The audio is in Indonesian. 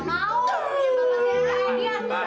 ini bapak bapak mau